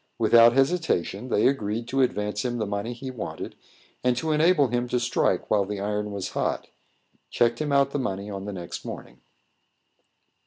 Without hesitation, they agreed to advance him the money he wanted, and to enable him to strike while the iron was hot, checked him out the money on the next morning.